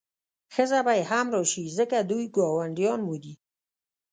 ښځه به یې هم راشي ځکه دوی ګاونډیان مو دي.